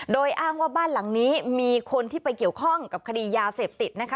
โดยอ้างว่าบ้านหลังนี้มีคนที่ไปเกี่ยวข้องกับคดียาเสพติดนะคะ